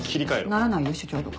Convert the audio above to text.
ならないよ署長とか。